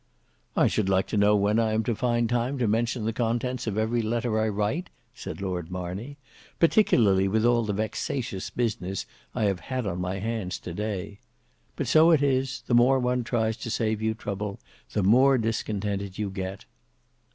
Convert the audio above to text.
"I should like to know when I am to find time to mention the contents of every letter I write," said Lord Marney; "particularly with all the vexatious business I have had on my hands to day. But so it is; the more one tries to save you trouble, the more discontented you get."